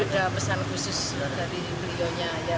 sudah pesan khusus dari milionya ya biasa sama jemur saja